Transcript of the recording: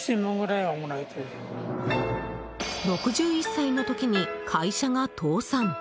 ６１歳の時に会社が倒産。